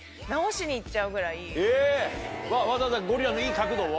わざわざゴリラのいい角度を？